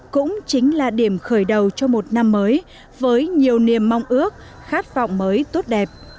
cũng chính là điểm khởi đầu cho một năm mới với nhiều niềm mong ước khát vọng mới tốt đẹp